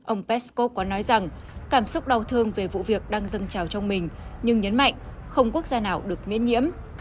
ông peskov có nói rằng cảm xúc đau thương về vụ việc đang dâng trào trong mình nhưng nhấn mạnh không quốc gia nào được miễn nhiễm